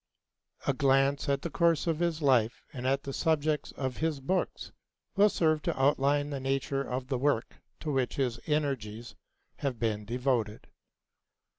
A glance at the course of his life, and at the subjects of his books, will serve to outline the nature of the work to which his energies have been devoted.